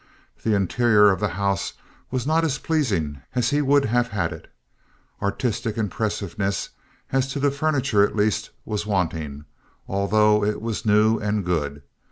The interior of the house was not as pleasing as he would have had it. Artistic impressiveness, as to the furniture at least, was wanting, although it was new and good.